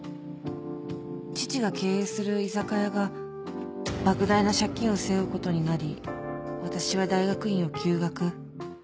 父が経営する居酒屋が莫大な借金を背負うことになり私は大学院を休学